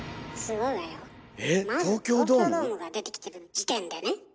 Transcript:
まず東京ドームが出てきてる時点でね。